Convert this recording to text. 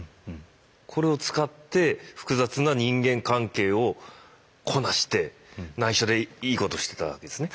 これを使って複雑な人間関係をこなしてないしょでいいことしてたわけですね。